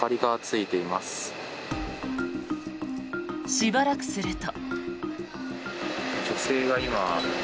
しばらくすると。